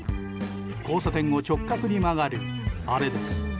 交差点を直角に曲がるあれです。